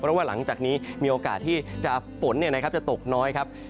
เพราะว่าหลังจากนี้มีโอกาสที่ฝนจะตกน้อยครับ